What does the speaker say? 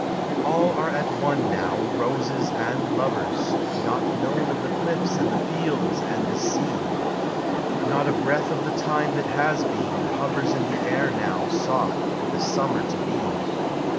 All arc ;it one now, roses and lovers, Not known of the cliffs and the fields and the sea. Not a breath of the lime that has been hovers In the air now soft with a summer to be.